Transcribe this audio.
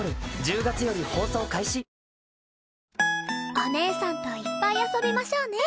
お姉さんといっぱい遊びましょうね。